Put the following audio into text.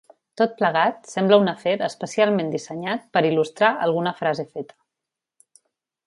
Tot plegat, sembla un afer especialment dissenyat per il·lustrar alguna frase feta.